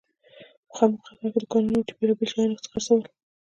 مخامخ قطار کې دوکانونه وو چې بیلابیل شیان یې خرڅول.